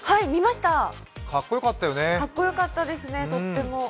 かっこよかったですね、とっても。